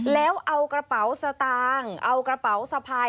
แล้วเอากระเป๋าสตางค์เอากระเป๋าสะพาย